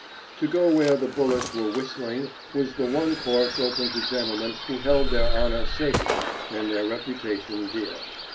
To go where the bullets were whistling was the one course open to gentlemen who held their honor sacred and their reputation dear.